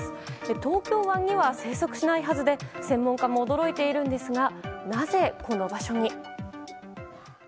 東京湾には生息しないはずで専門家も驚いていますがなぜ、この場所に。